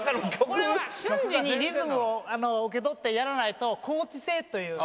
これは瞬時にリズムを受け取ってやらないと巧緻性という。